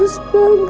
aku cuma pengayang